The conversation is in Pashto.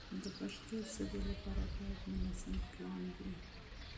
د پښتو ژبې لپاره باید منظم پلان وي.